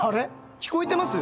聞こえてます？